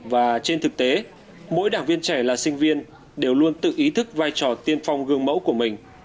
và trên thực tế mỗi đảng viên trẻ là sinh viên đều luôn tự ý thức vai trò tiên phong gương mẫu của mình